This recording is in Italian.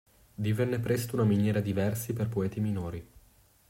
Divenne presto una miniera di versi per poeti minori.